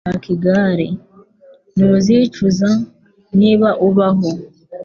Shaka igare. Ntuzicuza, niba ubaho.